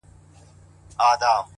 مهرباني زړونه له کینې پاکوي؛